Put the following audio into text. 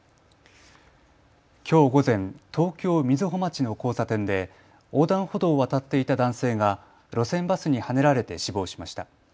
きょう午前、東京瑞穂町の交差点で横断歩道を渡っていた男性が路線バスにはねられて死亡しました。